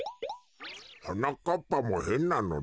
はなかっぱもへんなのだ。